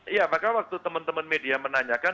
iya maka waktu teman teman media menanyakan